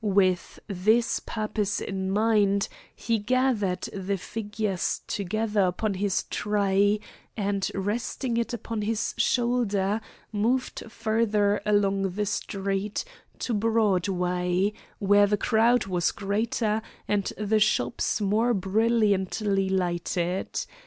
With this purpose in his mind, he gathered the figures together upon his tray, and resting it upon his shoulder, moved further along the street, to Broadway, where the crowd was greater and the shops more brilliantly lighted.